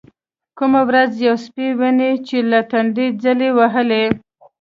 کومه ورځ يو سپى ويني چې له تندې ځل وهلى.